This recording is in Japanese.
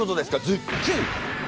ズッキュン！